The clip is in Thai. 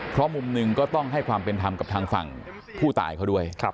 เพราะมุมหนึ่งก็ต้องให้ความเป็นธรรมกับทางฝั่งผู้ตายเขาด้วย